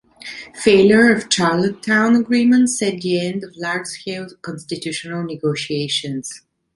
Failure of Charlottetown agreement set the end of large-scale constitutional negotiations.